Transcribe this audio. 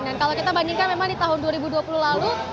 dan kalau kita bandingkan memang di tahun dua ribu dua puluh lalu